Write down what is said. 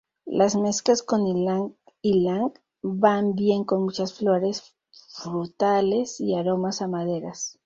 Las mezclas con Ylang-ylang van bien con muchas florales, frutales y aromas a maderas.